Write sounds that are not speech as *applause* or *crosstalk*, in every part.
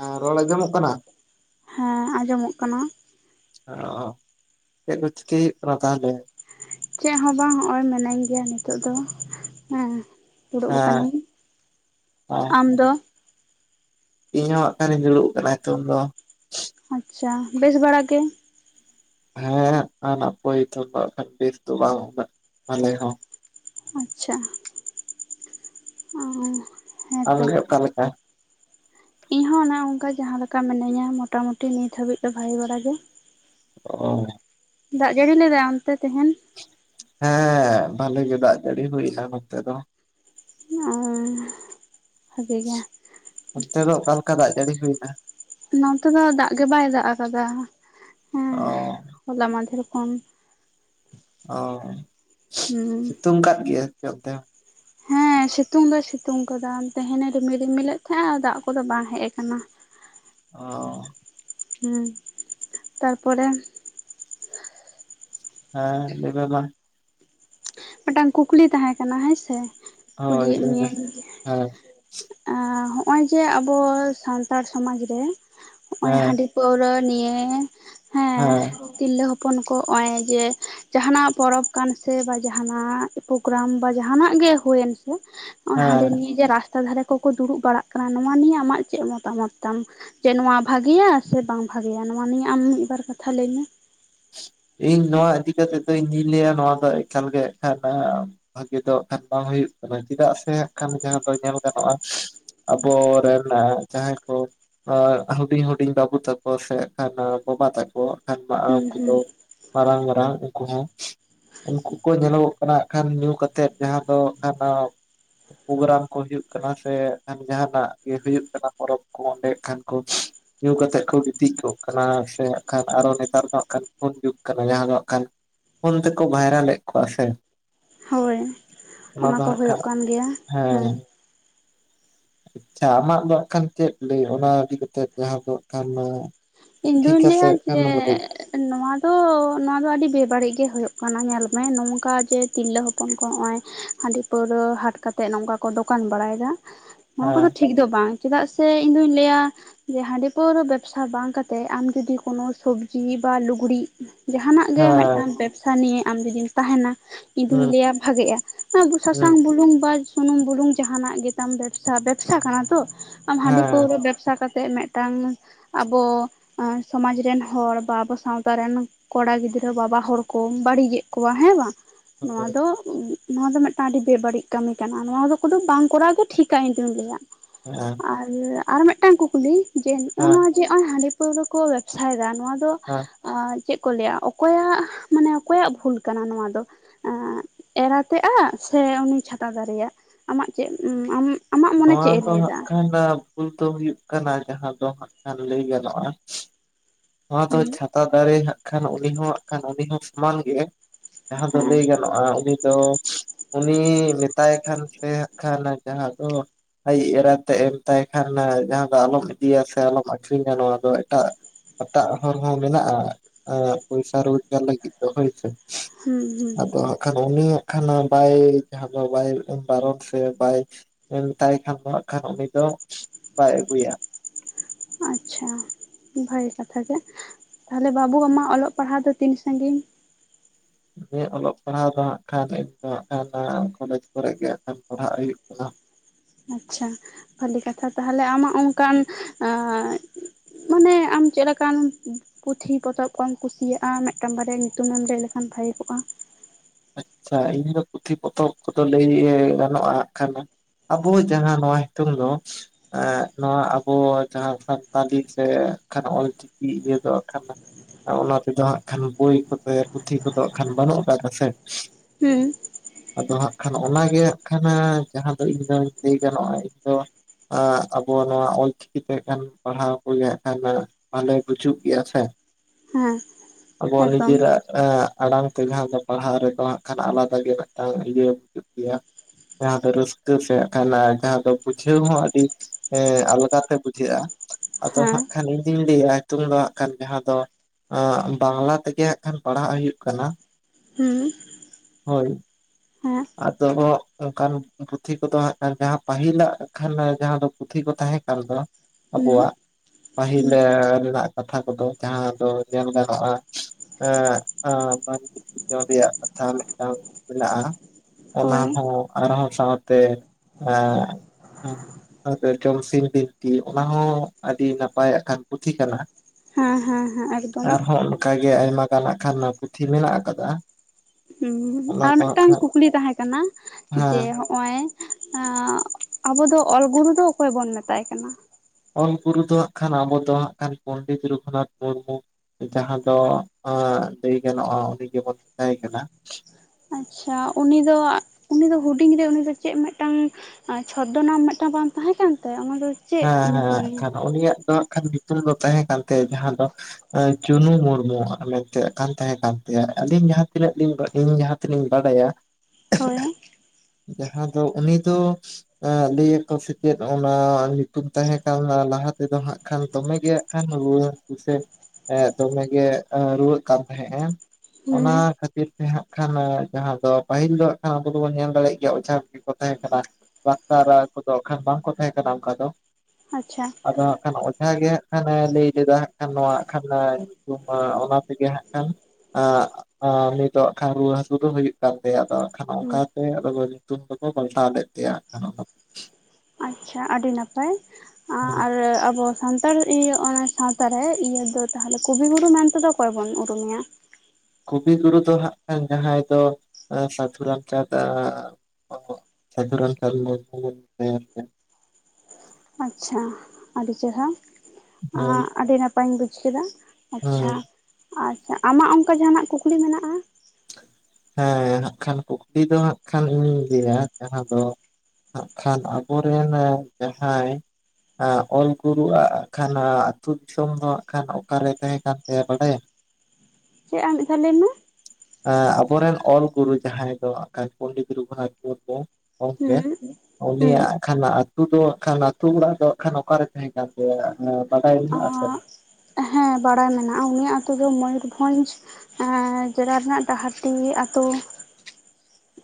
ᱟ ᱨᱚᱲ ᱟᱸᱡᱚᱢᱚᱜ ᱠᱟᱱᱟ? ᱦᱮᱸ ᱟᱸᱡᱚᱢᱚᱜ ᱠᱟᱱᱟ᱾ ᱚ ᱪᱮᱫ ᱠᱚ ᱪᱤᱠᱚ ᱦᱩᱭᱩᱜ ᱠᱟᱱᱟ ᱛᱟᱦᱚᱞᱮ? ᱪᱮᱫ ᱦᱚᱸ ᱵᱟᱝ ᱦᱚᱸᱜᱚᱭ ᱢᱤᱱᱟᱹᱧ ᱜᱮᱭᱟ ᱱᱤᱛᱚᱜ ᱫᱚ ᱦᱮᱸ, ᱫᱩᱲᱩᱵ ᱦᱮᱸ ᱠᱟᱱᱟᱹᱧ, ᱦᱮᱸ ᱟᱢ ᱫᱚ? ᱤᱧ ᱦᱚᱸ ᱦᱟᱸᱜᱠᱷᱟᱱᱤᱧ ᱫᱩᱲᱩᱵ ᱠᱟᱱᱟ ᱱᱤᱛᱚᱝ ᱫᱚ᱾ ᱟᱪᱪᱷᱟ, ᱵᱮᱥ ᱵᱟᱲᱟ ᱜᱮᱭᱟᱢ? ᱦᱮᱸ ᱦᱟᱸᱜᱠᱷᱟᱱ ᱦᱟᱯᱳᱭ *unintelligible* ᱵᱮᱥ ᱫᱚ ᱵᱟᱝ ᱩᱱᱟᱹᱜ ᱟᱞᱮ ᱦᱚᱸ᱾ ᱟᱪᱪᱷᱟ᱾ ᱚᱻ ᱟᱢ ᱜᱮ ᱚᱠᱟ ᱞᱮᱠᱟ? ᱤᱧ ᱦᱚᱸ ᱚᱱᱮ ᱚᱱᱠᱟ ᱡᱟᱦᱟᱸ ᱞᱮᱠᱟ ᱢᱤᱱᱟᱹᱧᱟ ᱢᱚᱴᱟ ᱢᱩᱴᱤ ᱱᱤᱛ ᱦᱟᱹᱵᱤᱡ ᱫᱚ ᱵᱷᱟᱜᱤ ᱵᱟᱲᱟᱜ ᱜᱮ᱾ ᱚ᱾ ᱫᱟᱜ ᱡᱟᱹᱲᱤ ᱞᱮᱫᱟ ᱚᱱᱛᱮ ᱛᱮᱦᱮᱱ? ᱦᱮᱸ ᱵᱷᱟᱞᱮ ᱜᱮ ᱫᱟᱜ ᱡᱟᱹᱲᱤ ᱦᱩᱭ ᱱᱟ ᱱᱚᱛᱮ ᱫᱚ᱾ ᱚ ᱵᱷᱟᱜᱮ ᱜᱮ᱾ ᱚᱱᱛᱮ ᱫᱚ ᱚᱠᱟ ᱞᱮᱠᱟ ᱫᱟᱜ ᱡᱟᱹᱲᱤ ᱦᱩᱭᱱᱟ? ᱱᱚᱱᱛᱮ ᱫᱚ ᱫᱟᱜ ᱜᱮ ᱵᱟᱭ ᱫᱟᱜ ᱠᱟᱫᱟ ᱚ ᱦᱮᱸ ᱦᱚᱞᱟ ᱢᱟᱫᱷᱮᱨ ᱠᱷᱚᱱ᱾ ᱚ ᱦᱩᱸ ᱥᱤᱛᱩᱝ ᱠᱟᱫ ᱜᱮᱭᱟᱭ, *unintelligible* ᱛᱮ ᱦᱚᱸ᱾ ᱦᱮᱸ ᱮᱸ ᱥᱤᱛᱩᱝ ᱫᱚᱭ ᱥᱤᱛᱩᱝ ᱟᱠᱟᱫᱟ ᱛᱮᱦᱮᱸᱱᱮ ᱨᱤᱢᱤᱞ ᱨᱤᱢᱤᱞᱮᱫ ᱛᱟᱦᱮᱸᱜᱼᱟ, ᱫᱟᱜ ᱠᱚᱫᱚ ᱵᱟᱝ ᱦᱮᱜ ᱟᱠᱟᱱᱟ᱾ *inaudible* ᱚ ᱦᱩᱸ ᱛᱟᱨ ᱯᱚᱨᱮ ᱦᱮᱸ ᱞᱟᱹᱭ ᱢᱮ ᱢᱟ? ᱢᱮᱫᱴᱟᱝ ᱠᱩᱠᱞᱤ ᱛᱟᱦᱮᱸ ᱠᱟᱱᱟ ᱦᱮᱸᱥᱮ ᱦᱳᱭ ᱠᱩᱞᱤᱭᱮᱫ ᱞᱟᱹᱭ ᱢᱮ ᱢᱤᱭᱟᱹᱧ, ᱦᱮᱸ ᱮᱸ ᱦᱚᱸᱜᱼᱚᱭ ᱡᱮ ᱟᱵᱚ ᱥᱟᱱᱛᱟᱲ ᱥᱚᱢᱟᱡᱽ ᱨᱮ ᱦᱚᱸᱜᱼᱚᱭ ᱦᱮᱸ ᱦᱟᱺᱰᱤ, ᱯᱟᱹᱣᱨᱟᱹ ᱱᱤᱭᱟᱹ ᱦᱮᱸ ᱛᱤᱨᱞᱟᱹ ᱦᱚᱯᱚᱱ ᱠᱚ ᱚᱸᱭ ᱡᱮ ᱡᱟᱦᱟᱸᱱᱟᱜ ᱯᱚᱨᱚᱵᱽ ᱠᱟᱱ ᱥᱮ ᱵᱷᱟᱹᱜᱤ- ᱡᱟᱦᱟᱸᱱᱟᱻᱜ ᱯᱳᱜᱟᱨᱟᱢ ᱵᱟ ᱡᱟᱦᱟᱸᱱᱟᱜ ᱜᱮ ᱦᱩᱭᱮᱱ ᱥᱮ ᱱᱚᱜᱼᱚᱭ ᱦᱮᱸ ᱦᱟᱺᱰᱤ ᱱᱤᱭᱮ ᱡᱮ ᱨᱟᱥᱛᱟ ᱫᱷᱟᱨᱮ ᱠᱚᱠᱚ ᱫᱩᱲᱩᱵ ᱵᱟᱲᱟᱜ ᱠᱟᱱᱟ ᱱᱚᱣᱟ ᱱᱤᱭᱮ ᱟᱢᱟᱜ ᱪᱮᱫ ᱢᱚᱛᱟᱢᱚᱛ ᱛᱟᱢ, ᱡᱮ ᱱᱚᱣᱟ ᱵᱷᱟᱜᱤᱭᱟ ᱥᱮ ᱵᱟᱝ ᱵᱷᱟᱜᱮᱭᱟ ᱱᱚᱣᱟ ᱱᱤᱭᱮ ᱟᱢ ᱢᱤᱫ ᱵᱟᱨ ᱠᱟᱛᱷᱟ ᱞᱟᱹᱭ ᱢᱮ? ᱤᱧ ᱱᱚᱣᱟ ᱤᱫᱤ ᱠᱟᱛᱮ ᱫᱚᱧ ᱤᱧᱤᱧ ᱞᱟᱹᱭᱟ ᱱᱚᱣᱟ ᱫᱚ ᱮᱠᱟᱞ ᱜᱮ ᱠᱷᱟᱨᱟᱯ ᱵᱷᱟᱜᱮ ᱫᱚ ᱮᱠᱷᱟᱱ ᱵᱟᱝ ᱦᱩᱭᱩᱜ ᱠᱟᱱᱟ, ᱪᱮᱫᱟᱜ ᱥᱮ ᱮᱠᱷᱟᱱ ᱡᱟᱦᱟᱸ ᱫᱚ ᱧᱮᱞ ᱜᱟᱱᱚᱜᱼᱟ ᱟᱵᱚ ᱨᱮᱱ ᱟᱸ ᱡᱟᱦᱟᱸᱭ ᱠᱚ ᱟᱨ ᱦᱩᱸᱰᱤᱧ ᱦᱩᱸᱰᱤᱧ ᱵᱟᱹᱵᱩ ᱛᱟᱠᱚ ᱥᱮ ᱮᱠᱷᱟᱸᱱ ᱵᱟᱵᱟ ᱛᱮᱠᱚ ᱮᱸᱠᱷᱟᱱ ᱢᱟ ᱦᱩᱸ ᱟᱢ ᱦᱩᱸ ᱢᱟᱨᱟᱝ ᱢᱟᱨᱟᱝ ᱩᱸᱠᱩ ᱦᱚᱸ ᱩᱱᱠᱩ ᱠᱚ ᱧᱮᱞᱚᱜᱚᱜ ᱠᱟᱱᱟ ᱮᱸᱠᱷᱟᱱ ᱧᱩ ᱠᱟᱛᱮᱫ ᱡᱟᱦᱟᱸ ᱫᱚ ᱮᱸᱠᱷᱟᱱ ᱯᱳᱜᱟᱨᱟᱢ ᱠᱚ ᱦᱩᱭᱩᱜ ᱠᱟᱱᱟ ᱥᱮ ᱡᱟᱦᱟᱸᱱᱟᱜ ᱜᱮ ᱦᱩᱭᱩᱜ ᱠᱟᱱᱟ ᱯᱚᱨᱚᱵᱽ ᱠᱚ ᱚᱸᱰᱮ ᱮᱸᱠᱷᱟᱱ ᱠᱚ ᱧᱩ ᱠᱟᱛᱮᱫ ᱠᱚ ᱜᱤᱛᱤᱡ ᱠᱚᱜ ᱠᱟᱱᱟ ᱥᱮ ᱮᱸᱠᱷᱟᱱ ᱟᱨᱚ ᱱᱮᱛᱟᱨ ᱫᱚ ᱮᱸᱠᱷᱟᱱ ᱯᱷᱳᱱ ᱡᱩᱜᱽ ᱠᱟᱱᱟ ᱡᱟᱦᱟᱸ ᱫᱚ ᱮᱸᱠᱷᱟᱱ ᱯᱷᱳᱱ ᱛᱮᱠᱚ ᱵᱷᱟᱭᱨᱟᱞᱮᱫ ᱠᱚᱣᱟ ᱥᱮ, ᱦᱳᱭ ᱚᱱᱟ ᱫᱚ ᱠᱚ ᱦᱟᱸᱜ ᱦᱩᱭᱩᱜ ᱠᱷᱟᱱ ᱠᱟᱱ ᱜᱮᱭᱟ ᱦᱮᱸ, ᱟᱪᱪᱷᱟ ᱟᱢᱟᱜ ᱫᱚ ᱮᱸᱠᱷᱟᱱ ᱪᱮᱫ ᱞᱟᱹᱭ ᱚᱱᱟ ᱤᱫᱤ ᱠᱟᱛᱮᱫ ᱡᱟᱦᱟᱸ ᱫᱚ ᱮᱸᱠᱷᱟᱱ ᱤᱧ ᱫᱩᱧ ᱞᱟᱹᱭᱟ ᱡᱮᱻ ᱱᱚᱣᱟ ᱫᱚ ᱱᱚᱣᱟ ᱫᱚ ᱟᱹᱰᱤ ᱵᱮᱵᱟᱹᱲᱤᱡ ᱜᱮ ᱦᱩᱭᱩᱜ ᱠᱟᱱᱟ ᱧᱮᱞ ᱢᱮ ᱱᱚᱝᱠᱟ ᱡᱮ ᱛᱤᱨᱞᱟᱹ ᱦᱚᱯᱚᱱ ᱠᱚ ᱦᱚᱸᱜ-ᱚᱭ ᱦᱟᱺᱰᱤ ᱯᱟᱹᱣᱨᱟᱹ ᱦᱟᱴ ᱠᱟᱛᱮᱜ ᱱᱚᱝᱠᱟ ᱠᱚ ᱫᱚᱠᱟᱱ ᱵᱟᱲᱟᱭᱮᱫᱟ ᱱᱚᱣᱟ ᱠᱚᱫᱚ ᱦᱮᱸ ᱴᱷᱤᱠ ᱫᱚ ᱵᱟᱝ, ᱪᱮᱫᱟᱜ ᱥᱮ ᱤᱧ ᱫᱩᱧ ᱞᱟᱹᱭᱟ ᱡᱮ ᱦᱟᱺᱰᱤ ᱯᱟᱹᱣᱨᱟᱹ ᱵᱮᱵᱽᱥᱟ ᱵᱟᱝ ᱠᱟᱛ ᱛᱮ ᱟᱢ ᱡᱩᱫᱤ ᱠᱳᱱᱳ ᱥᱚᱵᱽᱡᱤ ᱵᱟ ᱞᱩᱜᱽᱲᱤ ᱡᱟᱦᱟᱸᱱᱟᱜ ᱜᱮ ᱦᱮᱸ ᱢᱮᱫᱴᱟᱝ ᱵᱮᱵᱽ ᱥᱟ ᱱᱤᱭᱮ ᱟᱢ ᱡᱩᱫᱤᱢ ᱛᱟᱦᱮᱸᱱᱟ ᱤᱧᱫᱩᱧ ᱦᱩᱸ ᱞᱟᱹᱭᱟ ᱵᱷᱟᱜᱮᱜᱼᱟ, ᱱᱚᱣᱟ ᱵᱩ ᱦᱩᱸ ᱥᱟᱥᱟᱝ ᱵᱩᱞᱩᱝ ᱵᱟᱡ ᱥᱩᱱᱩᱢ ᱵᱩᱞᱩᱝ ᱡᱟᱦᱟᱸᱱᱟᱜ ᱜᱮ ᱛᱟᱢ ᱵᱮᱵᱽᱥᱟ, ᱵᱮᱵᱽᱥᱟ ᱠᱟᱱᱟ ᱛᱚ ᱟᱢ ᱦᱟᱺᱰᱤ ᱦᱮᱸ ᱯᱟᱹᱣᱨᱟᱹ ᱵᱮᱵᱽᱥᱟ ᱠᱟᱛ ᱛᱮ ᱢᱮᱫᱴᱟᱝ ᱟᱵᱚ ᱮᱸ ᱥᱚᱢᱟᱡᱽ ᱨᱮᱱ ᱦᱚᱲ ᱵᱟ ᱟᱵᱚ ᱥᱟᱶᱛᱟ ᱨᱮᱱ ᱠᱚᱲᱟ ᱜᱤᱫᱽᱨᱟᱹ ᱵᱟᱵᱟ ᱦᱚᱲ ᱠᱚ ᱵᱟᱹᱲᱤᱡᱮᱫ ᱠᱚᱣᱟ ᱦᱮᱸ ᱵᱟᱝ, ᱱᱚᱣᱟ ᱫᱚ ᱩᱸ ᱱᱚᱣᱟ ᱫᱚ ᱢᱮᱫᱴᱟᱝ ᱟᱹᱰᱤ ᱵᱮᱵᱟᱹᱲᱤᱡ ᱠᱟᱹᱢᱤ ᱠᱟᱱᱟ, ᱱᱚᱣᱟ ᱫᱚ ᱠᱚᱫᱚ ᱵᱟᱝ ᱠᱚᱨᱟᱣ ᱜᱮ ᱴᱷᱤᱠ ᱟ ᱤᱧᱫᱩᱧ ᱞᱟᱹᱭᱟ᱾ ᱦᱮᱸ, ᱟᱨ, ᱟᱨ ᱢᱮᱫᱴᱟᱝ ᱠᱩᱠᱞᱤ ᱡᱮ ᱦᱮᱸ ᱱᱚᱜᱼᱱᱚᱣᱟ ᱡᱮ ᱦᱚᱸᱜᱼᱚᱭ ᱦᱟᱺᱰᱤ ᱯᱟᱹᱣᱨᱟᱹ ᱠᱚ ᱵᱮᱵᱽᱥᱟ ᱭᱮᱫᱟ ᱱᱚᱣᱟ ᱫᱚ ᱦᱮᱸ ᱟᱸ ᱪᱮᱫ ᱠᱚ ᱞᱟᱹᱭᱟ ᱚᱠᱚᱭᱟᱜ ᱢᱟᱱᱮ ᱚᱠᱚᱭᱟᱜ ᱵᱷᱩᱞ ᱠᱟᱱᱟ ᱱᱚᱣᱟ ᱫᱚ? ᱮᱸ ᱮᱨᱟᱛᱮᱜᱼᱟᱜ ᱥᱮ ᱩᱱᱤ ᱪᱷᱟᱛᱟ ᱫᱟᱨᱮᱭᱟᱜ ᱟᱢᱟᱜ ᱪᱮᱫ ᱩᱸ ᱟᱢ? ᱟᱢᱟᱜ ᱢᱚᱱᱮ ᱱᱚᱣᱟ ᱪᱮᱫ ᱮ ᱫᱚ ᱦᱟᱸᱜ ᱞᱟᱹᱭᱫᱟ? ᱠᱷᱟᱱ ᱵᱷᱩᱞ ᱫᱚ ᱦᱩᱭᱩᱜ ᱠᱟᱱᱟ ᱡᱟᱦᱟᱸ ᱫᱚ ᱦᱟᱸᱜ ᱠᱷᱟᱱ ᱞᱟᱹᱭ ᱜᱟᱱᱚᱜᱼᱟ, ᱱᱚᱣᱟ ᱫᱚ ᱦᱮᱸ ᱪᱷᱟᱛᱟ ᱫᱟᱨᱮ ᱦᱟᱸᱜ ᱠᱷᱟᱱ ᱩᱱᱤ ᱦᱚᱸᱣᱟᱦᱟᱸᱜ ᱠᱷᱟᱱ ᱩᱱᱤ ᱦᱚᱸ ᱥᱚᱢᱟᱱ ᱜᱮ, ᱡᱟᱦᱟᱸ ᱫᱚ ᱞᱟᱹᱭ ᱜᱟᱱᱚᱜᱼᱟ ᱩᱱᱤ ᱫᱚ ᱩᱱᱤ ᱢᱮᱛᱟᱭ ᱠᱷᱟᱱ ᱥᱮ ᱦᱟᱸᱜ ᱠᱷᱟᱱ ᱡᱟᱦᱟᱸ ᱫᱚ ᱟᱹᱭᱤᱡ ᱮᱨᱟ ᱛᱮᱜ ᱢᱮᱛᱟᱭ ᱠᱷᱟᱱ ᱡᱟᱦᱟᱸ ᱫᱚ ᱟᱞᱚᱢ ᱤᱫᱤᱭᱟ ᱥᱮ ᱟᱞᱚᱢ ᱟᱹᱠᱷᱨᱤᱧᱟ ᱱᱚᱣᱟ ᱫᱚ ᱮᱴᱟᱜ ᱮᱴᱟᱜ ᱦᱚᱨ ᱦᱚᱸ ᱢᱮᱱᱟᱜᱼᱟ ᱯᱚᱭᱥᱟ ᱨᱳᱡᱽᱜᱟᱨ ᱞᱟᱹᱜᱤᱫ ᱫᱚ ᱦᱳᱭᱥᱮ ᱦᱩᱸ ᱦᱩᱸ ᱾ ᱟᱫᱚ - ᱠᱷᱟᱱ ᱩᱱᱤ ᱠᱷᱟᱱ ᱵᱟᱭ ᱡᱟᱦᱟᱸ ᱫᱚ ᱵᱟᱭ ᱵᱟᱨᱚᱱ ᱥᱮ ᱵᱟᱭ ᱢᱮᱛᱟᱭ ᱠᱷᱟᱱ ᱫᱚ ᱦᱟᱜ ᱠᱷᱟᱱ ᱩᱱᱤ ᱫᱚ ᱵᱟᱭ ᱟᱹᱜᱩᱭᱟ ᱾ ᱟᱪᱪᱷᱟ ᱵᱷᱟᱜᱤ ᱠᱟᱛᱷᱟ ᱜᱮ ᱛᱟᱦᱚᱞᱮ ᱵᱟᱹᱵᱩ ᱟᱢᱟᱜ ᱚᱞᱚᱜ ᱯᱟᱲᱦᱟᱜ ᱫᱚ ᱛᱤᱱ ᱥᱟᱟᱹᱜᱤᱧ? ᱚᱞᱚᱜ ᱯᱟᱲᱦᱟᱜ ᱫᱚ ᱦᱟᱸᱜ ᱠᱷᱟᱱ ᱤᱧ ᱫᱚ ᱦᱟᱜ ᱠᱚᱞᱮᱡᱽ ᱠᱚᱨᱮ ᱜᱮ ᱦᱟᱜ ᱯᱟᱲᱦᱟᱜ ᱦᱩᱭᱩᱜ ᱠᱟᱱᱟ᱾ ᱟᱪᱪᱷᱟ ᱵᱷᱟᱜᱤ ᱠᱟᱛᱷᱟ ᱛᱟᱦᱚᱞᱮ ᱟᱢᱟᱜ ᱚᱱᱠᱟᱱ ᱢᱟᱱᱮ ᱟᱢ ᱪᱮᱫ ᱞᱮᱠᱟᱱ ᱯᱩᱛᱷᱤ ᱯᱚᱛᱚᱵ ᱠᱚᱢ ᱠᱩᱥᱤᱭᱟᱜᱼᱟ ᱢᱤᱫᱴᱟᱝ ᱵᱟᱨᱭᱟ ᱧᱩᱛᱩᱢ ᱮᱢ ᱞᱟᱹᱭ ᱞᱮᱠᱷᱟᱱ ᱵᱷᱟᱜᱮ ᱠᱚᱜᱼᱟ ᱾ ᱟᱪᱪᱷᱟ ᱤᱧᱫᱚ ᱯᱩᱛᱷᱤ ᱯᱚᱛᱚᱵ ᱠᱚᱫᱚ ᱞᱟᱹᱭ ᱜᱟᱱᱚᱜᱼᱟ ᱠᱟᱱᱟ ᱟᱵᱚ ᱡᱟᱦᱟ ᱱᱚᱣᱟ ᱱᱤᱛᱚᱜ ᱫᱚ ᱮᱸ ᱱᱚᱣᱟ ᱟᱵᱚ ᱡᱟᱦᱟᱸ ᱥᱟᱱᱛᱟᱞᱤ ᱥᱮ ᱠᱷᱚᱱ ᱚᱞᱪᱤᱠᱤ ᱪᱤᱞᱤ ᱤᱭᱟᱹ ᱫᱚ ᱟᱠᱠᱷᱟᱱ ᱟᱨ ᱚᱱᱟ ᱛᱮᱫᱚ ᱦᱟᱸᱜ ᱠᱷᱟᱱ ᱵᱳᱭ ᱠᱚᱫᱚ ᱯᱩᱛᱷᱤ ᱠᱚᱫᱚ ᱠᱷᱟᱱ ᱵᱟᱹᱱᱩᱜ ᱟᱠᱟᱫᱟ ᱥᱮ ᱾ ᱦᱩᱸ ᱾ ᱟᱫᱚ ᱦᱟᱸᱜ ᱠᱷᱟᱱ ᱚᱱᱟᱜᱮ ᱦᱟᱸᱜ ᱠᱷᱟᱱ ᱡᱟᱦᱟᱸ ᱫᱚ ᱤᱧᱫᱚ ᱞᱟᱹᱭ ᱜᱟᱱᱚᱜᱼᱟ ᱤᱧ ᱫᱚ ᱮᱸ ᱟᱵᱚ ᱱᱚᱣᱟ ᱚᱞᱪᱤᱠᱤ ᱛᱮ ᱢᱤᱫᱴᱮᱱ ᱯᱟᱲᱦᱟᱣ ᱵᱚᱞᱮ ᱵᱟᱞᱮ *unintelligible* ᱦᱮᱸ ᱾ ᱟᱵᱚᱣᱟᱜ ᱱᱤᱡᱮᱨᱟᱜ ᱟᱲᱟᱝ ᱛᱮ ᱡᱟᱦᱟᱸ ᱫᱚ ᱯᱟᱲᱦᱟᱜ ᱨᱮ ᱟᱫᱚ ᱦᱟᱜ ᱠᱷᱟᱱ ᱟᱞᱟᱫᱟ ᱜᱮ ᱢᱤᱫᱴᱟᱝ ᱤᱭᱟᱹ ᱵᱩᱡᱩᱜ ᱜᱮᱭᱟ, ᱡᱟᱦᱟᱸ ᱫᱚ ᱨᱟᱹᱥᱠᱟᱹ ᱥᱮ ᱟᱠᱷᱟᱱ ᱡᱟᱦᱟᱸ ᱫᱚ ᱵᱩᱡᱷᱟᱹᱣ ᱦᱚᱸ ᱟᱹᱰᱤ ᱦᱮᱸ ᱟᱞᱜᱟᱛᱮ ᱵᱩᱡᱷᱟᱹᱜᱼᱟ ᱟᱫᱚ ᱦᱮᱸ ᱦᱟᱸᱜ ᱠᱷᱟᱱ ᱤᱧᱫᱩᱧ ᱞᱟᱹᱭᱟ ᱧᱩᱛᱩᱢ ᱫᱚ ᱦᱟᱸᱜ ᱠᱷᱟᱱ ᱡᱟᱦᱟᱸ ᱫᱚ ᱵᱟᱜᱞᱟ ᱛᱮᱜᱮ ᱦᱟᱸᱜ ᱠᱷᱟᱱ ᱯᱟᱲᱦᱟᱜ ᱦᱩᱭᱩᱜ ᱠᱟᱱᱟ ᱾ ᱦᱩᱸ ᱾ ᱦᱳᱭ᱾ ᱟᱫᱚ ᱦᱚᱸ ᱚᱱᱠᱟᱱ ᱯᱩᱛᱷᱤ ᱠᱚᱫᱚ ᱦᱟᱸᱜ ᱠᱷᱟᱱ ᱡᱟᱦᱟᱸ ᱯᱟᱹᱦᱤᱞᱟᱜ ᱠᱷᱟᱱ ᱡᱟᱦᱟᱸ ᱫᱚ ᱯᱩᱛᱷᱤ ᱠᱚ ᱛᱟᱦᱮᱸ ᱠᱟᱱ ᱫᱚ ᱦᱩᱸ ᱟᱵᱚᱣᱟᱜ, ᱯᱟᱹᱦᱤᱞ ᱦᱩᱸ ᱨᱮᱱᱟᱜ ᱠᱟᱛᱷᱟ ᱠᱚᱫᱚ ᱡᱟᱦᱟᱸ ᱫᱚ ᱧᱮᱞ ᱜᱟᱱᱚᱜᱼᱟ ᱾ ᱮ ᱢᱟᱹᱱᱢᱤ ᱥᱤᱨᱡᱚᱱ ᱨᱮᱭᱟᱜ ᱠᱟᱛᱷᱟ ᱢᱤᱫᱴᱟᱝ ᱢᱮᱱᱟᱜᱼᱟ ᱾ ᱚᱱᱟ ᱦᱳᱭ ᱦᱚᱸ ᱟᱨᱦᱚᱸ ᱥᱟᱶᱛᱮ ᱡᱚᱢᱥᱤᱢ ᱵᱤᱱᱛᱤ ᱚᱱᱟ ᱦᱚᱸ ᱟᱹᱰᱤ ᱱᱟᱯᱟᱭᱟᱜ ᱠᱷᱟᱱ ᱯᱩᱛᱷᱤ ᱠᱟᱱᱟ ᱾ ᱦᱮᱸ ᱦᱮᱸ ᱦᱮᱸ ᱮᱠᱫᱚᱢ ᱟᱨᱦᱚᱸ ᱚᱱᱠᱟ ᱜᱮ ᱟᱭᱢᱟ ᱜᱱᱟ ᱦᱟᱸᱜ ᱠᱷᱟᱱ ᱯᱩᱛᱷᱤ ᱢᱮᱱᱟᱜ ᱟᱠᱟᱫᱟ ᱾ ᱦᱩᱸ ᱟᱨ ᱢᱤᱫᱴᱟᱝ ᱠᱩᱠᱞᱤ ᱛᱟᱦᱮᱸ ᱠᱟᱱᱟ ᱦᱮᱸ ᱡᱮ ᱱᱚᱜᱼᱚᱭ ᱟᱵᱚ ᱫᱚ ᱚᱞ ᱜᱩᱨᱩ ᱫᱚ ᱚᱠᱚᱭ ᱵᱚᱱ ᱢᱮᱛᱟᱭ ᱠᱟᱱᱟ? ᱚᱞ ᱜᱩᱨᱩ ᱫᱚ ᱦᱟᱸᱜ ᱠᱷᱟᱱ ᱟᱵᱚ ᱫᱚ ᱦᱟᱸᱜ ᱠᱷᱟᱱ ᱯᱚᱱᱰᱤᱛ ᱨᱚᱜᱷᱩᱱᱟᱛᱷ ᱢᱩᱨᱢᱩ ᱡᱟᱦᱟᱸ ᱫᱚ ᱞᱟᱹᱭ ᱜᱟᱱᱚᱜᱼᱟ ᱩᱱᱤ ᱜᱮᱵᱚᱱ ᱢᱮᱛᱟᱭ ᱠᱟᱱᱟ ᱾ ᱟᱪᱪᱷᱟ ᱩᱱᱤ ᱫᱚ ᱩᱱᱤ ᱫᱚ ᱦᱩᱰᱤᱧ ᱨᱮ ᱩᱱᱤ ᱫᱚ ᱪᱮᱫ ᱢᱤᱫᱴᱟᱝ ᱪᱷᱚᱫᱫᱚ ᱱᱟᱢ ᱢᱤᱫᱴᱟᱝ ᱵᱟᱝ ᱛᱟᱦᱮᱸ ᱠᱟᱱ ᱛᱟᱭ ᱚᱱᱟ ᱫᱚ ᱪᱮᱫ ᱦᱮᱸ ᱦᱮᱸ ᱧᱩᱛᱩᱢ ᱟᱠᱷᱟᱱ ᱩᱱᱤᱭᱟᱜ ᱫᱚ ᱦᱟᱸᱜ ᱠᱷᱟᱱ ᱧᱩᱛᱩᱢ ᱫᱚ ᱛᱟᱦᱮᱸ ᱠᱟᱱ ᱛᱟᱭᱟ ᱡᱟᱦᱟ ᱫᱚ ᱪᱩᱱᱩ ᱢᱩᱨᱢᱩ ᱢᱮᱱᱛᱮ ᱟᱠᱷᱟᱱ ᱛᱟᱦᱮᱸ ᱠᱟᱱ ᱛᱟᱭᱟ ᱾ ᱟᱹᱞᱤᱧ ᱡᱟᱦᱟᱸᱛᱤᱱᱟᱹᱜ ᱤᱧ ᱛᱮᱫ ᱞᱤᱧ ᱵᱟᱲᱟᱭᱟ᱾ ᱦᱳᱭ ᱾ ᱡᱟᱦᱟᱸ ᱫᱚ ᱩᱱᱤ ᱫᱚ ᱞᱟᱹᱭ ᱟᱠᱚ ᱥᱮ ᱪᱮᱫ ᱚᱱᱟ ᱧᱩᱛᱩᱢ ᱛᱟᱦᱮᱸ ᱠᱟᱱ ᱞᱟᱦᱟ ᱛᱮᱫᱚ ᱦᱟᱸᱜ ᱠᱷᱟᱱ ᱫᱚᱢᱮ ᱜᱮ ᱦᱟᱸᱜ ᱠᱷᱟᱱ ᱨᱩᱣᱟᱹ ᱦᱟᱹᱥᱩ ᱥᱮ *unintelligible* ᱫᱚᱢᱮ ᱜᱮ *unintelligible* ᱨᱩᱣᱟᱹᱜ ᱠᱟᱱ ᱛᱟᱦᱮᱸ ᱮᱢ ᱾ ᱚᱱᱟ ᱦᱩᱸ ᱠᱷᱟᱹᱛᱤᱨ ᱛᱮ ᱦᱟᱸᱜ ᱠᱷᱟᱱ *unintelligible* ᱡᱟᱦᱟᱸ ᱫᱚ ᱯᱟᱹᱦᱤᱞ ᱫᱚ ᱮᱱᱠᱷᱟᱱ ᱟᱵᱚ ᱫᱚᱵᱚᱱ ᱧᱮᱞ ᱫᱟᱲᱮᱜ ᱜᱮᱭᱟ ᱚᱡᱷᱟ ᱾ *unintelligible* ᱛᱟᱦᱮᱸ ᱠᱟᱱᱟ ᱰᱟᱠᱛᱟᱨ ᱨᱟᱜ ᱠᱚᱫᱚ ᱮᱱᱠᱷᱟᱱ ᱵᱟᱝᱠᱚ ᱛᱟᱦᱮᱸ ᱠᱟᱱᱟ ᱚᱱᱠᱟ ᱫᱚ ᱾ ᱟᱪᱪᱷᱟ ᱾ ᱟᱫᱚ ᱦᱟᱸᱜ ᱠᱷᱟᱱ ᱚᱡᱷᱟ ᱜᱮ ᱦᱟᱸᱜ ᱠᱷᱟᱱᱮ ᱞᱟᱹᱭ ᱞᱮᱫᱟ ᱦᱟᱸᱜ ᱠᱷᱟᱱ ᱱᱚᱣᱟ ᱠᱷᱟᱱ ᱧᱩᱛᱩᱢ ᱚᱱᱟ ᱛᱮᱜᱮ ᱦᱟᱸᱜ ᱠᱷᱟᱱ *unintelligible* *unintelligible* ᱱᱤᱛᱚᱜ ᱠᱷᱟᱱ ᱨᱩᱣᱟᱹ ᱦᱟᱹᱥᱩ ᱫᱚ ᱦᱩᱭᱩᱜ ᱠᱟᱱ ᱛᱟᱭᱟ ᱟᱫᱚᱠᱷᱟᱱ ᱦᱩᱸ ᱚᱱᱠᱟᱛᱮ ᱟᱫᱚ ᱧᱩᱛᱩᱢ ᱫᱚᱠᱚ ᱯᱟᱞᱴᱟᱣ ᱞᱮᱫ ᱛᱮᱭᱟ *unintelligible* ᱟᱪᱪᱷᱟ ᱟᱹᱰᱤ ᱱᱟᱯᱟᱭ *unintelligible* ᱟᱨ ᱟᱵᱚ ᱼᱼ ᱥᱟᱱᱛᱟᱲ ᱤᱭᱟᱹ ᱚᱱᱟ ᱥᱟᱶᱛᱟᱨᱮ ᱤᱭᱟᱹ ᱫᱚ ᱛᱟᱦᱚᱞᱮ ᱠᱚᱵᱤ ᱜᱩᱨᱩ ᱢᱮᱱᱛᱮᱫᱚ ᱚᱠᱚᱭ ᱵᱚᱱ ᱩᱨᱩᱢᱮᱭᱟ? ᱠᱚᱵᱤᱜᱩᱨᱩ ᱫᱚ ᱦᱟᱸᱜ ᱡᱟᱦᱟᱸᱭ ᱫᱚ ᱥᱟᱹᱫᱷᱩ ᱨᱟᱢᱪᱟᱸᱫᱽ *unintelligible* *unintelligible* ᱥᱟᱫᱷᱩ ᱨᱟᱢᱪᱟᱸᱫᱽ ᱢᱩᱨᱢᱩ *unintelligible* ᱟᱪᱷᱟ ᱟᱹᱰᱤ ᱪᱮᱦᱨᱟ ᱦᱳᱭ ᱟᱹᱰᱤ ᱱᱟᱯᱟᱭᱤᱧ ᱵᱩᱡᱽ ᱠᱮᱫᱟ ᱾ ᱟᱪᱷᱟ ᱦᱮᱸ *inaudible* ᱟᱪᱷᱟ ᱟᱢᱟᱜ ᱚᱱᱠᱟ ᱡᱟᱦᱟᱱᱟᱜ ᱠᱩᱠᱞᱤ ᱢᱮᱱᱟᱜᱼᱟ? ᱦᱮᱸ ᱦᱟᱸᱜ ᱠᱷᱟᱱ ᱠᱩᱠᱞᱤ ᱫᱚ ᱦᱟᱸᱜ ᱠᱷᱟᱱ ᱤᱧ ᱞᱟᱹᱭᱟ ᱡᱟᱦᱟᱸ ᱫᱚ ᱾ ᱦᱟᱸᱜ ᱠᱷᱟᱱ ᱟᱵᱚᱨᱮᱱ *unintelligible* ᱡᱟᱦᱟᱸᱭ *unintelligible* ᱚᱞ ᱜᱩᱨᱩᱣᱟᱜ ᱠᱷᱟᱱ ᱟᱹᱛᱩ ᱫᱤᱥᱚᱢ ᱫᱚ ᱦᱟᱸᱜ ᱠᱷᱟᱱ ᱚᱠᱟᱨᱮ ᱛᱟᱦᱮᱸ ᱠᱟᱱ ᱛᱟᱭᱟ ᱵᱟᱰᱟᱭᱟᱢ? *inaudible* ᱪᱮᱫ ᱟᱨ ᱢᱤᱫ ᱫᱷᱟᱣ ᱞᱟᱹᱭ ᱢᱮ᱾ *unintelligible* ᱟᱵᱚᱨᱮᱱ ᱚᱞ ᱜᱩᱨᱩ ᱡᱟᱦᱟᱸᱭ ᱫᱚ ᱮᱱᱠᱷᱟᱱ ᱯᱚᱸᱰᱤᱛ ᱨᱚᱜᱷᱩᱱᱟᱛᱷ ᱢᱩᱨᱢᱩ᱾ ᱜᱚᱢᱠᱮ, ᱦᱩᱸ *inaudible* ᱦᱩᱸ ᱩᱱᱤᱭᱟᱜ ᱾ ᱠᱷᱟᱱ ᱟᱹᱛᱩ ᱫᱚ ᱠᱷᱟᱱ ᱟᱹᱛᱩ ᱚᱲᱟᱜ ᱫᱚ ᱠᱷᱟᱱ ᱚᱠᱟᱨᱮ ᱛᱟᱦᱮᱸ ᱠᱟᱱ ᱛᱟᱭᱟ ᱵᱟᱰᱟᱭ ᱢᱮᱱᱟᱜᱼᱟ ᱥᱮ ᱵᱟᱝ? ᱦᱮᱸ, ᱵᱟᱲᱟᱭ ᱢᱮᱱᱟᱜᱼᱟ᱾ ᱩᱱᱤᱜᱟᱜ ᱟᱹᱛᱩ ᱫᱚ ᱢᱚᱭᱩᱨᱵᱷᱚᱸᱡᱽ ᱾ *unintelligible* ᱡᱮᱞᱟ ᱨᱮᱱᱟᱜ ᱰᱟᱦᱟᱨᱰᱤ ᱟᱹᱛᱩ᱾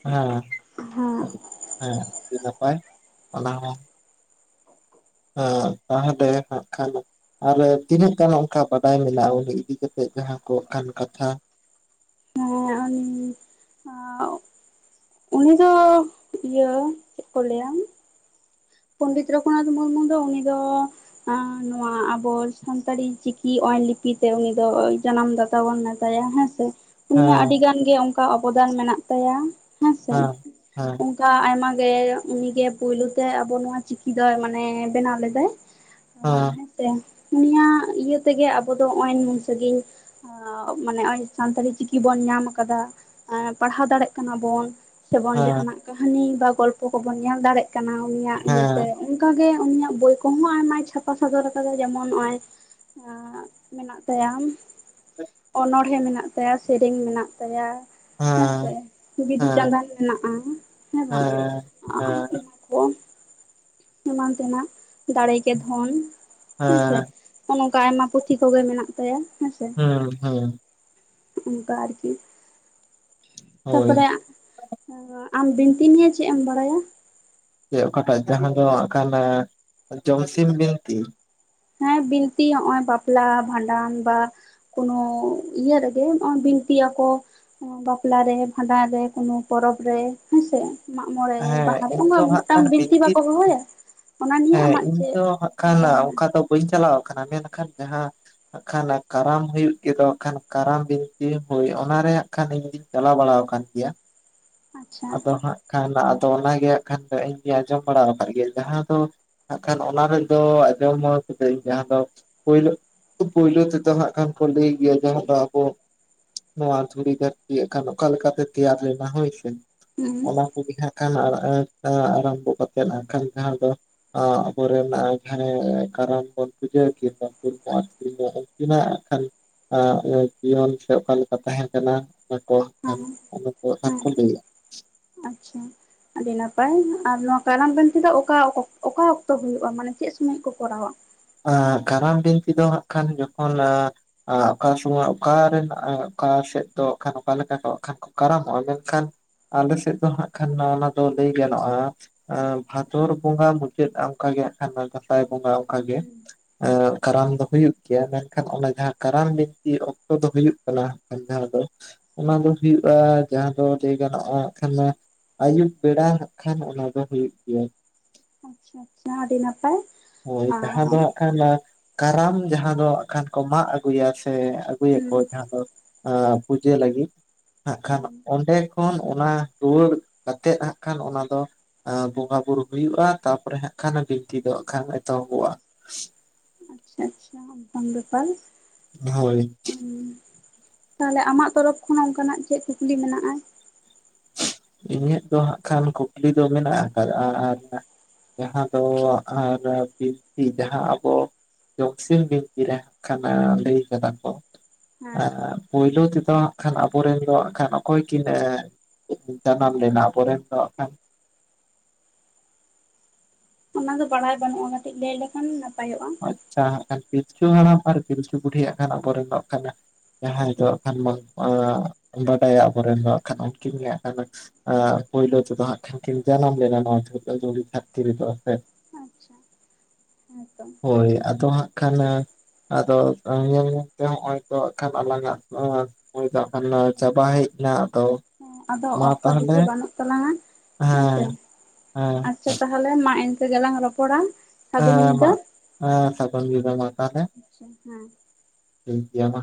ᱦᱮᱸ *unintelligible* ᱦᱮᱸ ᱟᱹᱰᱤ ᱱᱟᱯᱟᱭ ᱚᱱᱟ ᱦᱚᱸ ᱾ *unintelligible* ᱛᱟᱦᱚᱞᱮ ᱵᱟᱠᱷᱟᱱ ᱫᱚᱼᱼ ᱟᱨ ᱛᱤᱱᱟᱹᱜ ᱜᱟᱱ ᱚᱱᱠᱟ ᱵᱟᱰᱟᱭ ᱢᱮᱱᱟᱜᱼᱟ ᱩᱱᱤ ᱤᱫᱤᱠᱟᱛᱮᱫ ᱡᱟᱦᱟᱸ ᱠᱚ ᱚᱱᱠᱟᱱ ᱠᱟᱛᱷᱟ? ᱦᱮᱸ ᱟᱨ ᱩᱱᱤ *unintelligible* ᱩᱱᱤ ᱫᱚ ᱤᱭᱟᱹ ᱪᱮᱫ ᱠᱚ ᱞᱟᱹᱭᱟ? ᱯᱚᱸᱰᱤᱛ ᱨᱚᱜᱷᱩᱱᱟᱛᱷ ᱢᱩᱨᱢᱩ ᱫᱚ ᱩᱱᱤ ᱫᱚᱼᱼ *unintelligible* ᱱᱚᱣᱟ ᱟᱵᱚ ᱥᱟᱱᱛᱟᱲᱤ ᱪᱤᱠᱤ *unintelligible* ᱞᱤᱯᱤᱛᱮ ᱩᱱᱤ ᱫᱚ ᱡᱟᱱᱟᱢ ᱫᱟᱛᱟ ᱵᱚᱱ ᱢᱮᱛᱟᱭᱟ ᱦᱮᱸ ᱼᱼ ᱩᱱᱤᱭᱟᱜ ᱟᱹᱰᱤ ᱦᱮᱸ ᱜᱟᱱ ᱜᱮ ᱚᱱᱠᱟ ᱚᱵᱚᱫᱟᱱ ᱢᱮᱱᱟᱜ ᱛᱟᱭᱟ ᱦᱮᱸᱥᱮ ᱼᱼ ᱦᱮᱸ ᱦᱮᱸ *unintelligible* ᱚᱱᱠᱟ ᱟᱭᱢᱟ ᱜᱮ ᱩᱱᱤᱜᱮ ᱯᱩᱭᱞᱩ ᱛᱮ ᱟᱵᱚ ᱱᱚᱣᱟ ᱪᱤᱠᱤ ᱫᱚᱭ ᱢᱟᱱᱮ ᱵᱮᱱᱟᱣ ᱞᱮᱫᱟᱭ ᱾ ᱦᱮᱸ ᱦᱮᱸᱥᱮ ᱩᱱᱤᱭ ᱤᱭᱟᱹ ᱛᱮᱜᱮ ᱟᱵᱚ ᱫᱚ ᱦᱚᱜᱼᱚᱸᱭ ᱱᱩᱱ ᱥᱟᱺᱜᱤᱧ᱾ *unintelligible* ᱢᱟᱱᱮ ᱥᱟᱱᱛᱟᱲᱤ ᱪᱤᱠᱤ ᱵᱚᱱ ᱧᱟᱢ ᱟᱠᱟᱫᱟ *unintelligible* ᱯᱟᱲᱦᱟᱣ ᱫᱟᱲᱮᱭᱟᱜ ᱠᱟᱱᱟ ᱵᱚᱱ᱾ ᱥᱮᱵᱚᱱ ᱦᱮᱸ ᱡᱟᱦᱟᱱᱟᱜ ᱠᱟᱹᱦᱱᱤ ᱵᱟ ᱜᱚᱞᱯᱚ ᱠᱚᱵᱚᱱ ᱧᱮᱞ ᱫᱟᱲᱮᱜ ᱠᱟᱱᱟ ᱩᱱᱤᱭᱟᱜ ᱤᱭᱟᱹᱛᱮ ᱦᱮᱸ ᱼᱼ ᱚᱱᱠᱟ ᱜᱮ ᱩᱱᱤᱭᱟᱜ ᱵᱳᱭ ᱠᱚᱦᱚᱸ ᱟᱭᱢᱟᱭ ᱪᱷᱟᱯᱟ ᱥᱚᱫᱚᱨ ᱟᱠᱟᱫᱟᱭ ᱡᱮᱢᱚᱱ ᱱᱚᱜᱼᱚᱸᱭ *unintelligible* *unintelligible* ᱢᱮᱱᱟᱜ ᱛᱟᱭᱟ ᱚᱱᱚᱬᱦᱮᱸ ᱢᱮᱱᱟᱜ ᱛᱟᱭᱟ ᱥᱮᱨᱮᱧ ᱢᱮᱱᱟᱜ ᱛᱟᱭᱟ ᱼᱼ ᱦᱮᱸ ᱦᱮᱸᱥᱮ ᱦᱮᱸ ᱵᱤᱫᱩ-ᱪᱟᱸᱫᱟᱱ ᱢᱮᱱᱟᱜᱼᱟ ᱦᱮᱸ ᱵᱟᱝ ᱾ *unintelligible* ᱚᱱᱟ ᱠᱚᱵᱚᱱ ᱼᱼ ᱮᱢᱟᱱ ᱛᱮᱱᱟᱜ ᱫᱟᱲᱮ ᱜᱮ ᱫᱷᱚᱱ *inaudible* ᱦᱮᱸᱥᱮ ᱦᱮᱸ ᱾ ᱦᱚᱜᱼᱚᱸᱭ ᱱᱚᱝᱠᱟ ᱟᱭᱢᱟ ᱯᱩᱛᱷᱤ ᱠᱚᱜᱮ ᱢᱮᱱᱟᱜ ᱛᱟᱭᱟ ᱦᱮᱸᱥᱮ᱾ ᱦᱮᱸ ᱦᱮᱸ ᱚᱱᱠᱟ ᱟᱨᱠᱤ ᱼᱼ *inaudible* ᱛᱟᱯᱚᱨᱮ ᱟᱢ ᱵᱤᱱᱛᱤ ᱢᱮᱭᱟ ᱪᱮᱫ ᱮᱢ ᱵᱟᱲᱟᱭᱟ? ᱥᱮ ᱚᱠᱟᱴᱟᱜ ᱡᱟᱦᱟᱸ ᱫᱚ ᱟᱠᱟᱞ ᱡᱚᱢᱥᱤᱢ ᱵᱤᱱᱛᱤ, ᱦᱮᱸ ᱵᱤᱱᱛᱤ ᱱᱚᱜ ᱼ ᱚᱚᱭ ᱵᱟᱯᱞᱟ ᱵᱷᱟᱸᱰᱟᱱ ᱵᱟ ᱠᱳᱱᱚ ᱤᱭᱟᱹ ᱨᱮᱜᱮ ᱵᱤᱱᱛᱤᱭᱟ ᱠᱚ, ᱵᱟᱯᱞᱟᱮ ᱨᱮ ᱵᱷᱟᱰᱟᱱ ᱨᱮ ᱠᱚᱱᱚ ᱯᱚᱨᱚᱵᱽ ᱨᱮ ᱦᱮᱸᱥᱮ᱾ ᱢᱟᱜᱢᱚᱬᱮ ᱦᱮᱸ ᱵᱟᱦᱟᱨᱮ ᱤᱧ ᱩᱱᱟᱹ ᱫᱚ ᱦᱟᱸᱜ ᱢᱤᱫᱴᱟᱝ ᱠᱷᱟᱱ ᱵᱤᱱᱛᱤ ᱵᱟᱠᱚ ᱦᱚᱦᱚᱭᱟ᱾ ᱚᱱᱟ ᱱᱤᱭᱮ ᱦᱮᱸ ᱟᱢᱟᱜ ᱤᱧ ᱪᱮᱫ ᱫᱚ ᱦᱟᱜ ᱠᱷᱟᱱ ᱵᱟᱰᱟᱭ ᱚᱱᱠᱟ ᱢᱮᱱᱟᱜᱼᱟ ᱫᱚ ᱵᱟᱹᱧ ᱪᱟᱞᱟᱣ ᱠᱟᱱᱟ ᱢᱮᱱᱠᱷᱟᱱ ᱡᱟᱦᱟᱸ, ᱦᱟᱜ ᱠᱷᱟᱱ ᱠᱟᱨᱟᱢ ᱦᱩᱭᱩᱜ ᱜᱮ ᱫᱚ ᱠᱷᱟᱱ ᱠᱟᱨᱟᱢ ᱵᱤᱱᱛᱤ ᱦᱩᱭ ᱚᱱᱟᱨᱮ ᱦᱟᱸᱜ ᱠᱷᱟᱱ ᱤᱧ, ᱪᱟᱞᱟᱣ ᱵᱟᱲᱟ ᱟᱠᱟᱱ ᱜᱮᱭᱟᱢ, ᱟᱪᱪᱷᱟ ᱟᱫᱚ ᱦᱟᱸᱜ ᱠᱷᱟᱱ ᱟᱫᱚ ᱚᱱᱟᱜᱮ ᱦᱟᱸᱜ ᱠᱷᱟᱱ ᱫᱚ ᱤᱧ ᱜᱮᱧ ᱟᱸᱡᱚᱢ ᱵᱟᱲᱟ ᱟᱠᱟᱫ ᱜᱤᱭᱟᱹᱧ ᱡᱟᱦᱟᱸ ᱫᱚ, ᱦᱟᱜ ᱠᱷᱟᱱ ᱚᱱᱟ ᱨᱮᱫᱚ ᱟᱸᱡᱚᱢᱟ ᱟᱠᱟᱫᱹᱧ ᱡᱟᱦᱟᱸ ᱫᱚ ᱯᱳᱭᱞᱳ ᱯᱳᱭᱞᱳ ᱛᱮᱫᱚ ᱦᱟᱸᱜ ᱠᱷᱟᱱ ᱠᱚ ᱞᱟᱹᱭ ᱜᱮᱭᱟ ᱡᱟᱦᱟᱸ ᱫᱚ ᱟᱵᱚ, ᱱᱚᱣᱟ ᱫᱷᱩᱲᱤ ᱫᱷᱟᱹᱨᱛᱤᱜ ᱠᱷᱟᱱ ᱚᱠᱟᱞᱮ ᱞᱮᱠᱟᱛᱮ ᱛᱮᱭᱟᱨ ᱞᱮᱱᱟ ᱦᱳᱭᱥᱮ᱾ ᱦᱩᱸ ᱚᱱᱟ ᱠᱚᱜᱮ ᱦᱟᱸᱜ ᱠᱷᱟᱱ ᱟᱨᱟᱢᱵᱚ ᱠᱟᱛᱮᱫ ᱦᱟᱝ ᱠᱷᱟᱱ ᱡᱟᱦᱟᱸ ᱫᱚ ᱟᱵᱚᱨᱮᱱ ᱡᱟᱦᱟᱸ ᱠᱟᱨᱟᱢ ᱵᱚᱱ ᱯᱩᱡᱟᱹ ᱠᱤ *unintelligible* ᱩᱱᱠᱤᱱᱟᱜ ᱠᱷᱟᱱ ᱡᱤᱭᱚᱱ ᱥᱮ ᱚᱠᱟᱞᱮᱠᱟ ᱛᱟᱦᱮᱸ ᱠᱟᱱᱟ᱾ ᱚᱱᱟ ᱠᱷᱟᱱ ᱦᱮᱸ ᱚᱱᱟ ᱠᱚ ᱦᱟᱜ ᱦᱮᱸ ᱠᱚ ᱞᱟᱹᱭᱟ᱾ ᱟᱪᱪᱷᱟ ᱟᱹᱰᱤ ᱱᱟᱯᱟᱭ, ᱟᱨ ᱱᱚᱣᱟ ᱠᱟᱨᱟᱢ ᱵᱟᱱᱛᱤ ᱫᱚ ᱚᱠᱟ ᱚᱠᱟ ᱚᱠᱛᱚᱳ ᱦᱩᱭᱩᱜᱼᱟ ᱢᱟᱱᱮ ᱪᱮᱫ ᱥᱳᱚᱢᱚᱭ ᱠᱚ ᱠᱚᱨᱟᱣᱟ᱾ ᱠᱟᱨᱟᱢ ᱵᱤᱱᱛᱤ ᱫᱚ ᱦᱟᱸᱜ ᱠᱷᱟᱱ ᱡᱚᱠᱷᱚᱱ, ᱚᱠᱟ ᱥᱚᱢᱚᱭ ᱚᱠᱟᱨᱮᱱ ᱚᱠᱟ ᱥᱮᱫ ᱫᱚ ᱠᱷᱟᱱ ᱚᱠᱟ ᱞᱮᱠᱟ ᱠᱚ ᱠᱷᱟᱱ ᱠᱚ ᱠᱟᱨᱟᱢᱚᱜᱼᱟ ᱢᱮᱱᱠᱷᱟᱱ ᱟᱞᱮ ᱥᱮᱫ ᱫᱚ ᱦᱟᱸᱜ ᱠᱷᱟᱱ ᱱᱚᱜᱼᱚᱭ ᱱᱟ ᱫᱚ ᱞᱟᱹᱭ ᱜᱟᱱᱚᱜᱼᱟ, ᱵᱷᱟᱫᱚᱨ ᱵᱚᱸᱜᱟ ᱢᱩᱪᱟᱹᱫ ᱚᱱᱠᱟᱜᱮ ᱦᱟᱜ ᱠᱷᱟᱱ ᱫᱟᱸᱥᱟᱭ ᱵᱚᱸᱜᱟ ᱚᱱᱠᱟ ᱜᱮ *inaudible* ᱠᱟᱨᱟᱢ ᱫᱚ ᱦᱩᱭᱩᱜ ᱜᱮᱭᱟ ᱢᱮᱱᱠᱷᱟᱱ ᱚᱱᱟ ᱡᱟᱦᱟᱸ ᱠᱟᱨᱟᱢ ᱵᱤᱱᱛᱤ ᱚᱠᱛᱚ ᱫᱚ ᱦᱩᱭᱩᱜ ᱠᱟᱱᱟ ᱡᱟᱦᱟᱸ ᱫᱚ, ᱚᱱᱟ ᱫᱚ ᱦᱩᱭᱩᱜᱼᱟ ᱡᱟᱦᱟᱸ ᱫᱚ ᱞᱟᱹᱭ ᱜᱟᱱᱚᱜᱼᱟ ᱠᱷᱟᱱ ᱟᱹᱭᱩᱵ ᱵᱮᱲᱟ ᱦᱟᱜ ᱠᱷᱟᱱ ᱚᱱᱟ ᱫᱚ ᱦᱩᱭᱩᱜ ᱜᱮᱭᱟ᱾ ᱟᱪᱪᱷᱟ ᱟᱪᱪᱷᱟ ᱟᱹᱰᱤ ᱱᱟᱯᱟᱭ ᱦᱳᱭ ᱡᱟᱦᱟᱸ ᱫᱚ ᱦᱟᱸᱜ ᱠᱷᱟᱱ ᱠᱟᱨᱟᱢ ᱡᱟᱦᱟᱸ ᱫᱚ ᱠᱷᱟᱱ ᱠᱚ ᱢᱟᱜ ᱟᱹᱜᱩᱭᱟ ᱥᱮ ᱟᱹᱜᱩᱭᱟᱠᱚ ᱡᱟᱦᱟᱸ ᱫᱚ, ᱯᱩᱡᱟᱹ ᱞᱟᱹᱜᱤᱫ ᱦᱟᱜ ᱠᱷᱟᱱ ᱚᱸᱰᱮ ᱠᱷᱚᱱ ᱚᱱᱟ ᱨᱩᱣᱟᱹᱲ ᱠᱟᱛᱮᱫ ᱦᱟᱸᱜ ᱠᱷᱟᱱ ᱚᱱᱟ ᱫᱚ, ᱮ ᱵᱚᱸᱜᱟᱼ ᱵᱩᱨᱩ ᱦᱩᱭᱩᱜᱼᱟ ᱛᱟᱨᱯᱚᱨᱮ ᱦᱟᱜ ᱠᱷᱟᱱ ᱵᱤᱱᱛᱤ ᱫᱚ ᱠᱷᱟᱱ ᱮᱛᱚᱦᱚᱵᱚᱜᱼᱟ᱾ ᱟᱪᱪᱷᱟ ᱟᱪᱪᱷᱟ ᱚᱱᱠᱟᱱ ᱵᱮᱯᱟᱞ ᱦᱳᱭ, ᱛᱟᱦᱞᱮ ᱟᱢᱟᱜ ᱛᱚᱨᱚᱯ ᱠᱷᱚᱱᱟᱜ ᱚᱱᱠᱟᱱᱟᱜ ᱪᱮᱫ ᱠᱩᱠᱞᱤ ᱢᱮᱱᱟᱜᱼᱟ᱾ ᱤᱧᱟᱹᱜ ᱫᱚ ᱦᱟᱸᱜ ᱠᱷᱟᱱ ᱠᱩᱠᱞᱤ ᱫᱚ ᱢᱮᱱᱟᱜ ᱟᱠᱟᱫᱼᱟ ᱟᱨ, ᱡᱟᱦᱟᱸ ᱫᱚ ᱟᱨ ᱵᱤᱱᱛᱤ ᱡᱟᱦᱟᱸ ᱟᱵᱚ ᱡᱚᱢᱥᱤᱢ ᱵᱤᱱᱛᱤ ᱨᱮ ᱠᱷᱟᱱᱟ ᱞᱟᱹᱭ ᱠᱟᱫᱟ ᱠᱚ, ᱦᱮᱸ ᱯᱳᱭᱞᱳ ᱛᱮᱫᱚ ᱦᱟᱸᱜ ᱠᱷᱟᱱ ᱟᱵᱚᱨᱮᱱ ᱫᱚ ᱦᱟᱸ ᱠᱷᱟᱱ ᱚᱠᱚᱭ ᱠᱤᱱ, ᱪᱮᱫᱠᱩ ᱢᱮᱛᱟᱼᱟ ᱚᱱᱟ ᱟᱵᱚᱨᱮᱱ ᱫᱚ *unintelligible* ᱟᱠᱷᱟᱱ ᱚᱱᱟ ᱫᱚ ᱵᱟᱲᱟᱭ ᱵᱟᱹᱱᱩᱜᱼᱟ ᱠᱟᱹᱴᱤᱡ ᱞᱟᱹᱭ ᱞᱮᱠᱷᱟᱱ ᱱᱟᱯᱟᱭᱚᱜᱼᱟ᱾ ᱡᱟᱦᱟᱸ ᱠᱷᱟᱱ ᱯᱤᱞᱪᱩ ᱦᱟᱲᱟᱢ ᱟᱨ ᱯᱤᱞᱪᱩ ᱵᱩᱰᱤᱭᱟᱜ ᱠᱷᱟᱱ ᱟᱵᱚᱨᱮᱱᱚᱜ ᱫᱚ ᱠᱷᱟᱱᱟ, ᱡᱟᱦᱟᱸᱭ ᱫᱚ ᱠᱷᱟᱱ ᱵᱟᱝ ᱵᱟᱰᱟᱭᱟ ᱟᱵᱚᱨᱮᱱ ᱫᱚ ᱠᱷᱟᱱ ᱩᱱᱠᱤᱱ ᱜᱮ *unintelligible* ᱟ ᱯᱩᱭᱞᱩ ᱛᱮᱫᱚ ᱦᱟᱜ ᱠᱷᱟᱱ ᱠᱤᱱ ᱡᱟᱱᱟᱢ ᱞᱮᱱᱟ ᱱᱚᱣᱟ *unintelligible* *unintelligible* *unintelligible* ᱥᱮ ᱟᱪᱪᱷᱟ ᱦᱮᱸᱛᱚ ᱦᱳᱭ ᱟᱫᱚ ᱦᱟᱸᱜ ᱠᱷᱟᱱᱟ, ᱟᱫᱚ ᱧᱮᱞ ᱧᱮᱞᱛᱮ ᱦᱚᱜᱼᱚᱭ ᱛᱚᱜ ᱠᱷᱟᱱ ᱟᱞᱟᱝᱟᱜ ᱱᱚᱭᱟᱼᱼᱼ ᱦᱳᱭ ᱫᱟᱜ ᱠᱷᱟᱱ ᱫᱚ ᱪᱟᱵᱟ ᱦᱮᱡ ᱮᱱᱟ ᱟᱫᱚᱼᱼ ᱦᱮᱸ ᱟᱫᱚ ᱚᱠᱛᱚ ᱵᱮᱥᱤ ᱵᱟᱹᱱᱩᱜ ᱛᱟᱞᱟᱝᱟ ᱾ ᱦᱮᱸᱥᱮ ᱦᱮᱸ ᱦᱮᱸ ᱟᱨᱼᱼ ᱟᱪᱪᱷᱟ ᱛᱟᱦᱚᱞᱮ ᱢᱟ ᱮᱱᱠᱟᱹ ᱞᱮᱜᱮᱞᱟᱝ ᱨᱚᱯᱚᱲᱟ ᱾ ᱦᱮᱸ ᱢᱟ ᱥᱟᱹᱜᱩᱱ ᱜᱮ ᱡ ᱢᱟ *inaudible* ᱛᱟᱦᱞᱮᱼᱼ ᱟᱪᱪᱷᱟ ᱦᱮᱸ ᱴᱷᱤᱠ ᱜᱮᱭᱟ ᱢᱟ᱾